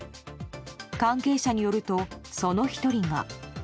関係者によると、その１人が。